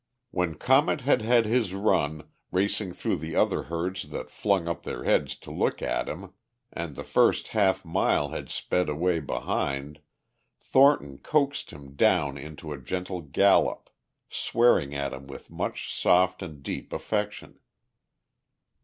When Comet had had his run, racing through the other herds that flung up their heads to look at him and the first half mile had sped away behind, Thornton coaxed him down into a gentle gallop, swearing at him with much soft and deep affection.